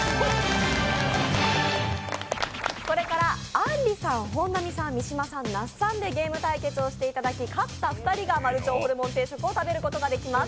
これからあんりさん、三島さん、本並さんでゲーム対決をしていただき勝った２人が、丸腸ホルモン定食を食べることができます。